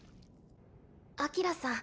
アキラさん